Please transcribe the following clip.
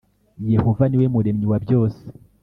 Yehova niwe muremyi wabyose.